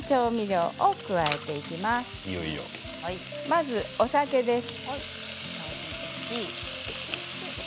まず、お酒です。